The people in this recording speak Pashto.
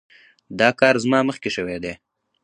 دا کار زما مخکې شوی دی.